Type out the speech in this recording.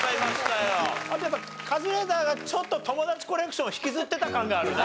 あとやっぱカズレーザーがちょっと『トモダチコレクション』引きずってた感があるな。